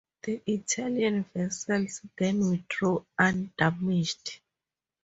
The Italian vessels then withdrew undamaged.